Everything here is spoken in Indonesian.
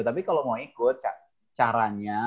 tapi kalau mau ikut caranya